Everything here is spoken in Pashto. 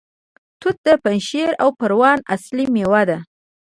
توت د پنجشیر او پروان اصلي میوه ده.